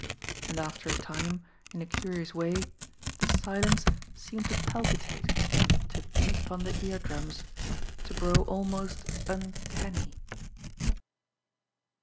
And after a time, in a curious way, the silence seemed to palpitate, to beat upon the ear drums, to grow almost uncanny.